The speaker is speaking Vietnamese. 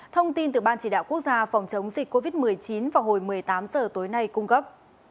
thông tin từ ban chỉ đạo quốc gia phòng chống dịch covid một mươi chín vào hồi một mươi tám h tối nay cung cấp